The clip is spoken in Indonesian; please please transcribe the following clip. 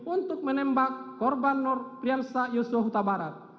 untuk menembak korban nopiansa yosua kutabarat